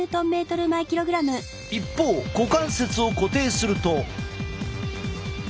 一方股関節を固定すると。